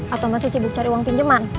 atau masih sibuk cari uang pinjaman